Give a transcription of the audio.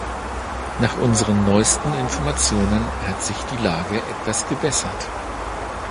Nach unseren neuesten Informationen hat sich die Lage etwas gebessert.